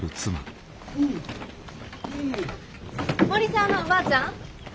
森澤のおばあちゃん。